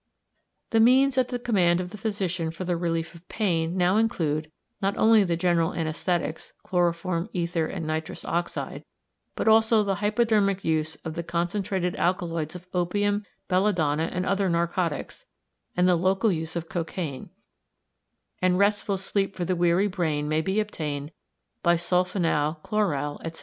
The means at the command of the physician for the relief of pain now include, not only the general anæsthetics, chloroform, ether, and nitrous oxide, but also the hypodermic use of the concentrated alkaloids of opium, belladonna, and other narcotics, and the local use of cocaine; and restful sleep for the weary brain may be obtained by sulphonal, chloral, etc.